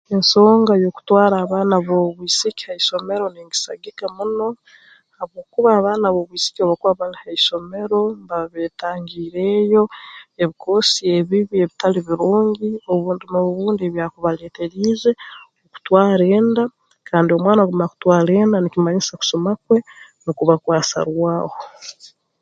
Ensonga y'okutwara abaana b'obwisiki ha isomero ningisagika muno habwokuba abaana b'obwisiki obu bakuba bali ha isomero mbaba beetangiireeyo ebikoosi ebibi ebitali birungi obundi n'obundi ebyakubaleeteriize kutwara enda kandi omwana obu akumara kutwara enda nikimanyisa kusoma kwe nukuba kwasarwaho